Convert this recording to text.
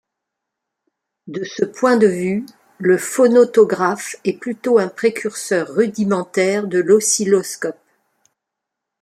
De ce point de vue, le phonautographe est plutôt un précurseur rudimentaire de l'oscilloscope.